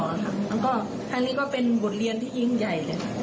แล้วก็ครั้งนี้ก็เป็นบทเรียนที่ยิ่งใหญ่เลยค่ะ